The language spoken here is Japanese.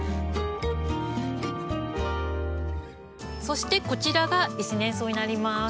そしてこちらが１年草になります。